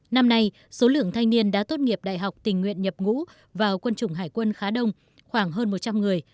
năm nay số lượng thanh niên đã tốt nghiệp đại học tình nguyện nhập ngũ vào quân chủng hải quân khá đông khoảng hơn một trăm linh người